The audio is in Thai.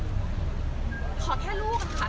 คือเข้าไปส่วนบ้างเขาบางทีก็ใส่ไม่ว่าง